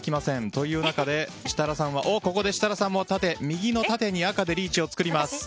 という中でここで設楽さんも右の縦に赤でリーチを作ります。